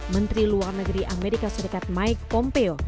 menteri luar negeri amerika serikat mike pompeo